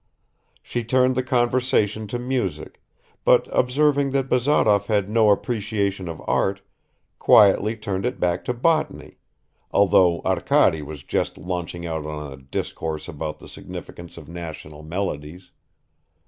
She turned the conversation to music, but, observing that Bazarov had no appreciation of art, quietly turned it back to botany, although Arkady was just launching out on a discourse about the significance of national melodies.